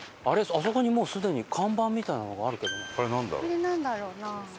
あそこにもうすでに看板みたいなのがあるけどな。